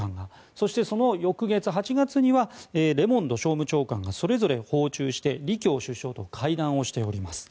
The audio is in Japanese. そして、その翌月８月にはレモンド商務長官がそれぞれ訪中して李強首相と会談しております。